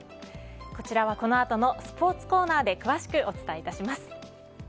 こちらはこの後のスポーツコーナーで詳しくお伝えいたします。